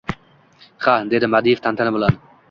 — Ha! — dedi Madiev tantana bilan.